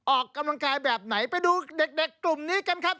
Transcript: ออกกำลังกายแบบไหนไปดูเด็กกลุ่มนี้กันครับ